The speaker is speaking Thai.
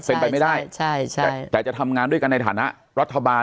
เป็นไปไม่ได้ใช่ใช่แต่จะทำงานด้วยกันในฐานะรัฐบาล